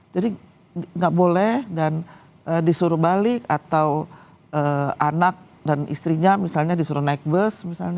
jadi tidak boleh dan disuruh balik atau anak dan istrinya misalnya disuruh naik bus